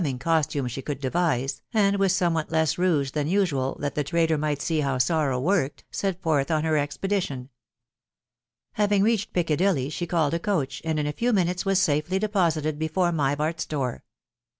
ling costume she could devise, and with somewhat 1 ge than usual, that the traitor might see how som ked, set forth on her expedition laving reached Piccadilly, she called a coach, and in a i\ rates was safely deposited before Mivart's door.